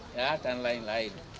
ya dan lain lain